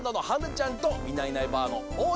ちゃんと「いないいないばあっ！」のおう